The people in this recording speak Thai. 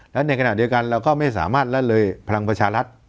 และในขณะเดียวกันเราก็ไม่สามารถละเลยพลังประชารัฐ